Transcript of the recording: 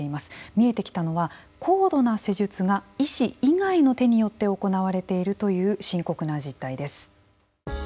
見えてきたのは高度な施術が医師以外の手によって行われているという深刻な実態です。